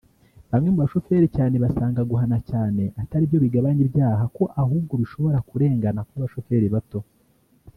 Bamwe mu bashoferi basanga guhana cyane atari byo bigabanya ibyaha ko ahubwo bishobora kurengana kw’abashoferi bato